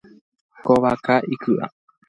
Ko vaka iky’a.